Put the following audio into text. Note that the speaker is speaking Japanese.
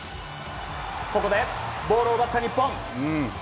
ここで、ボールを奪った日本。